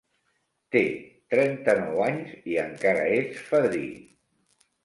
Té trenta-nou anys i encara és fadrí.